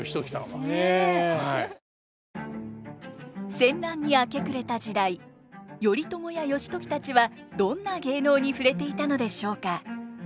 戦乱に明け暮れた時代頼朝や義時たちはどんな芸能に触れていたのでしょうか。